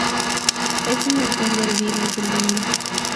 Es un vector del virus del dengue.